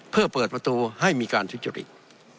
เพื่อเปิดประตูให้มีการทุจริต